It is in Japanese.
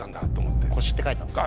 「腰」って書いたんすよ。